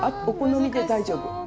お好みで大丈夫。